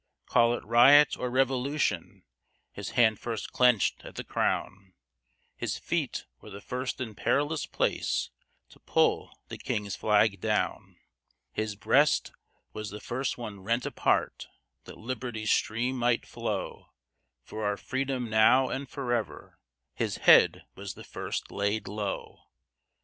Call it riot or revolution, his hand first clenched at the crown; His feet were the first in perilous place to pull the king's flag down; His breast was the first one rent apart that liberty's stream might flow; For our freedom now and forever, his head was the first laid low.